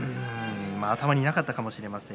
頭になかったかもしれません。